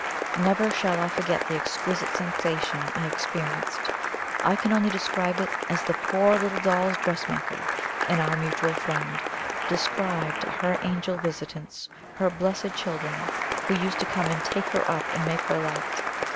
Never shall I forget the exquisite sensation I experienced! I can only describe it as the poor little Doll's Dressmaker in "Our Mutual Friend" described her angel visitants, her "blessed children," who used to come and "take her up and make her light."